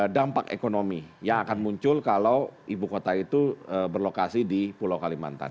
dampak ekonomi yang akan muncul kalau ibu kota itu berlokasi di pulau kalimantan